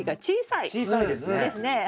小さいですね。